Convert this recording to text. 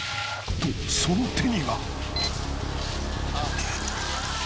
［とその手には］